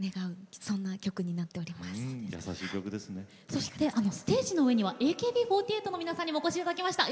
そしてステージの上にはＡＫＢ４８の皆さんにもお越しいただきました。